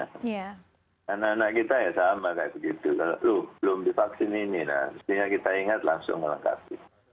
karena anak anak kita ya sama kayak begitu kalau belum divaksin ini mestinya kita ingat langsung melengkapi